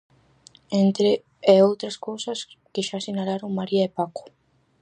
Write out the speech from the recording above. Entre e outras cousas que xa sinalaron María e Paco...